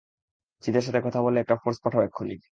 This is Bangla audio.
চিদার সাথে কথা বলে একটা ফোর্স পাঠাও এক্ষুনি।